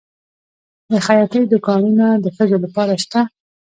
د خیاطۍ دوکانونه د ښځو لپاره شته؟